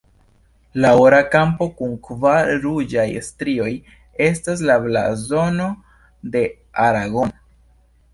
La ora kampo kun kvar ruĝaj strioj estas la blazono de Aragono.